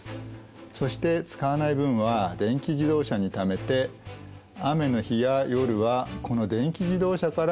そして使わない分は電気自動車にためて雨の日や夜はこの電気自動車から電気を供給しています。